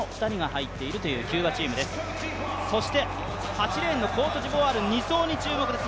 ８レーンのコートジボワール、２走に注目です。